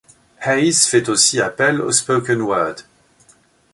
Hayes fait aussi appel au spoken word.